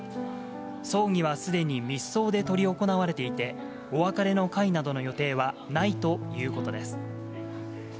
葬儀はすでに密葬で執り行われていて、お別れの会などの予定はないということです。